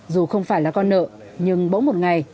dù không phải là con nợ nhưng mỗi một ngày